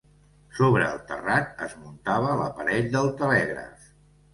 Sobre el terrat es muntava l'aparell del telègraf.